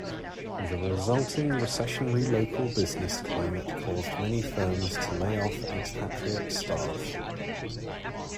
The resulting recessionary local business climate caused many firms to lay off expatriate staff.